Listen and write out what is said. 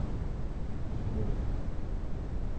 Jdeb.